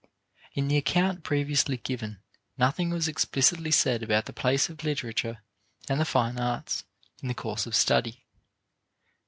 In the account previously given nothing was explicitly said about the place of literature and the fine arts in the course of study.